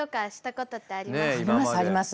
ありますあります。